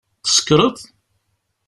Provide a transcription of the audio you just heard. Tsekṛeḍ?